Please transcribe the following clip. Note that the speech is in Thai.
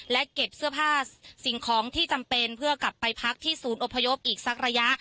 และเก็บเสื้อผ้าสิ่งของที่จำเป็นเพื่อกลับไปพักที่ศูนย์อพยพอีกสักระยะ